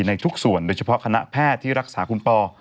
ในทุกส่วนโดยเฉพาะคณะแพทย์ที่รักษาคุณปอ